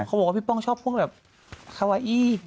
เขาบอกว่าพี่ป้องชอบพวกแบบคาวาอี้